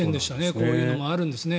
こういうのがあるんですね。